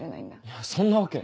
いやそんなわけ。